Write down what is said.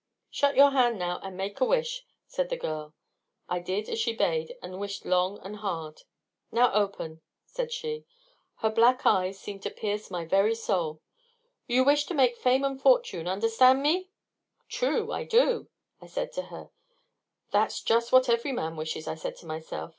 "Shut your hand now, and make a wish," said the girl. I did as she bade, and wished long and hard. "Now open," said she. Her black eyes seemed to pierce my very soul. "You wish to make fame and fortune. Understand me?" "True, I do," I said to her; that's just what every man wishes, I said to myself.